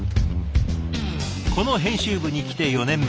この編集部に来て４年目。